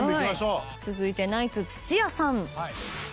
続いてナイツ土屋さん。